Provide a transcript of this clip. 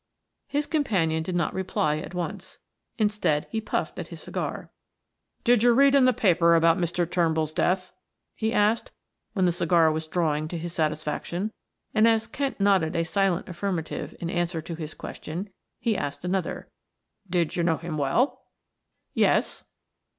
His companion did not reply at once; instead he puffed at his cigar. "Did you read in the paper about Mr. Turnbull's death?" he asked when the cigar was drawing to his satisfaction, and as Kent nodded a silent affirmative in answer to his question, he asked another. "Did you know him well?" "Yes."